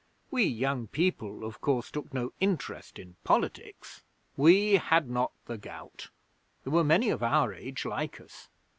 We young people, of course, took no interest in politics. We had not the gout: there were many of our age like us.